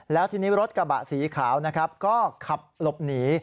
แล้วทีนี้รถกระบะสีขาวนะครับก็ขับหลบหนี